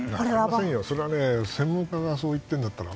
それは専門家がそう言っているんだから。